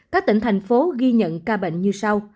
các tỉnh thành phố ghi nhận ca bệnh như sau